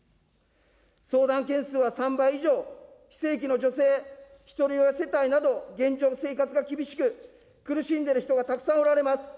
相談件数は３倍以上、非正規の女性、ひとり親世帯など、現状、生活が厳しく、苦しんでいる人がたくさんおられます。